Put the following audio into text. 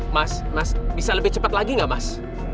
mas mas bisa lebih cepat lagi gak mas